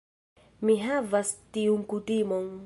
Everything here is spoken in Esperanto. Mi havas tiun kutimon.